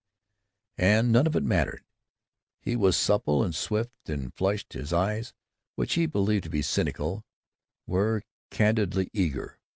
And none of it mattered. He was supple and swift and flushed; his eyes (which he believed to be cynical) were candidly eager.